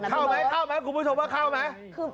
เข้าไหมคุณผู้ชมว่าเข้าไหม